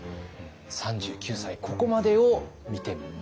３９歳ここまでを見てまいりました。